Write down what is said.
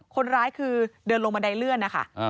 คนร้ายคือเดินลงบันไดเลื่อนนะคะ